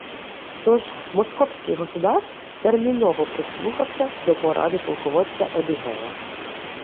Тож «Московський Государ» терміново прислухався до поради полководця Едигея